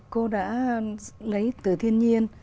cô đã lấy từ thiên nhiên